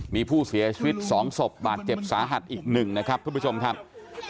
มีผู้เสียชีศสองศพเปล่าเจ็บสาหัสอีกหนึ่งนะครับคุณผู้ชมครับ